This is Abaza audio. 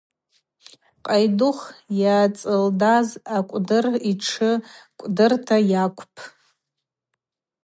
Къайдыхв йацӏылдаз акӏвдыр йтшы кӏвдырта йаквпӏ.